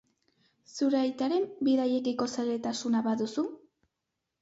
Zure aitaren bidaiekiko zaletasuna baduzu?